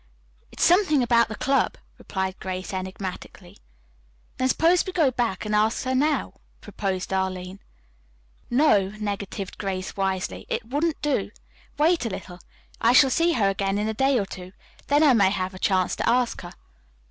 "It is something about the club," replied Grace enigmatically. "Then suppose we go back and ask her now," proposed Arline. "No," negatived Grace wisely, "it wouldn't do. Wait a little. I shall see her again in a day or two. Then I may have a chance to ask her."